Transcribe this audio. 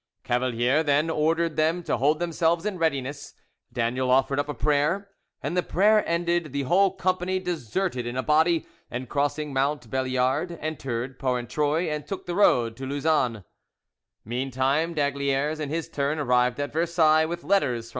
Cavalier then ordered them to hold themselves in readiness, Daniel offered up a prayer, and the prayer ended, the whole company deserted in a body, and, crossing Mont Belliard, entered Porentruy, and took the road to Lausanne. Meantime d'Aygaliers, in his turn, arrived at Versailles, with letters from M.